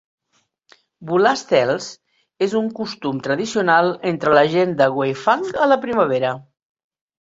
Volar estels és un costum tradicional entre la gent de Weifang a la primavera.